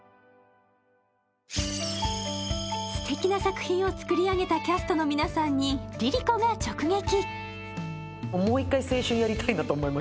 すてきな作品を作り上げたキャストの皆さんにＬｉＬｉＣｏが直撃。